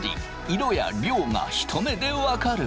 色や量が一目で分かる。